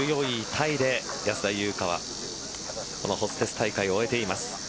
タイで安田祐香はこのホステス大会を終えています。